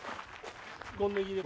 権宜です。